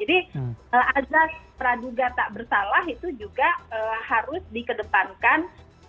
jadi ada traduga tak bersalah itu juga harus dikedepankan